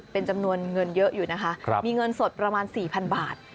เป็นจำนวนเงินเยอะอยู่นะคะมีเงินสดประมาณ๔๐๐๐บาท